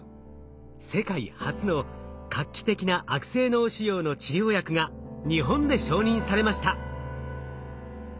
世界初の画期的な悪性脳腫瘍の治療薬が日本で承認されました。